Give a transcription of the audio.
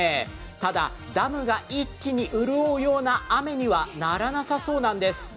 ただダムが一気にうるおうような雨にはならなさそうなんです。